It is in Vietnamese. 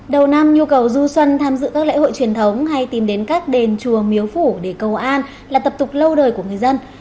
đầu năm nhu cầu du xuân tham dự các lễ hội truyền thống hay tìm đến các đền chùa miếu phủ để cầu an là tập tục lâu đời của người dân